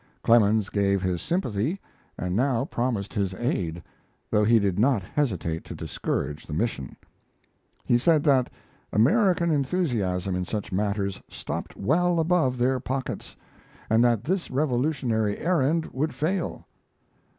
Clemens gave his sympathy, and now promised his aid, though he did not hesitate to discourage the mission. He said that American enthusiasm in such matters stopped well above their pockets, and that this revolutionary errand would fail.